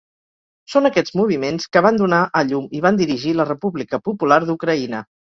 Són aquests moviments que van donar a llum i van dirigir la República Popular d'Ucraïna.